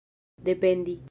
dependi